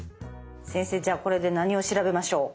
先生じゃあこれで何を調べましょう？